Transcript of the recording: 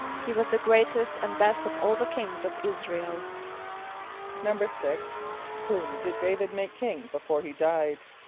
=He was the greatest and best of all the kings of [)I][s+]´ra el.= =6.= Whom did D[=a]´vid make king before he died?